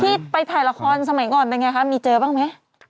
ที่ไปถ่ายละครสมัยก่อนเป็นไงคะมีเจอบ้างไหม